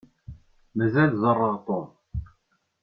Mazal ẓeṛṛeɣ Tom.